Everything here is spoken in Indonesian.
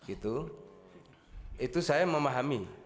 itu saya memahami